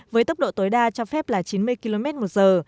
với tốc độ tối đa cho phép là chín mươi km một giờ